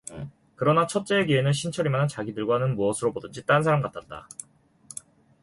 그러나 첫째의 귀에는 신철이만은 자기들과는 무엇으로 보든지 딴사람 같았다.